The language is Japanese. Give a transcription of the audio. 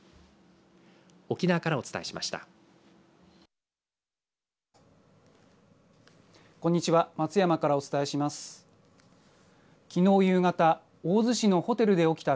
沖縄からお伝えしました。